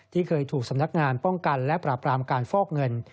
ที่เคยถูกสำนักงานป้องกันและปราบรามการฟอกเงิน